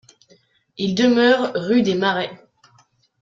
Il demeure rue des Marais.